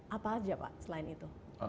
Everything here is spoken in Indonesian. apa saja pak selain itu